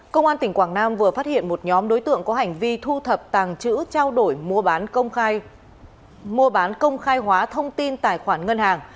công an tỉnh quảng nam vừa phát hiện một nhóm đối tượng có hành vi thu thập tàng chữ trao đổi mua bán công khai hóa thông tin tài khoản ngân hàng